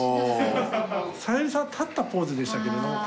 小百合さんは立ったポーズでしたけども。